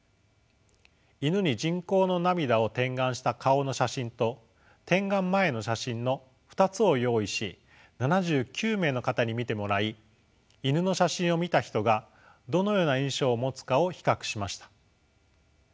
イヌに人工の涙を点眼した顔の写真と点眼前の写真の２つを用意し７９名の方に見てもらいイヌの写真を見たヒトがどのような印象を持つかを比較しました。